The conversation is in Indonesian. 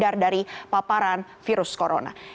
kita hindar dari paparan virus corona